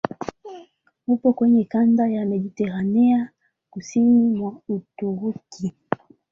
Upo kwenye kanda ya Mediteranea kusini mwa Uturuki.